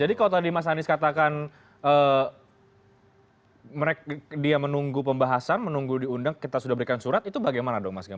jadi kalau tadi mas hanis katakan dia menunggu pembahasan menunggu diundang kita sudah berikan surat itu bagaimana dong mas gampang